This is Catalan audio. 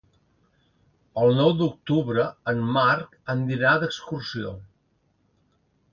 El nou d'octubre en Marc anirà d'excursió.